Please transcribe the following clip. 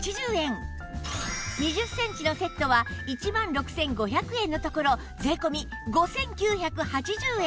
２０センチのセットは１万６５００円のところ税込５９８０円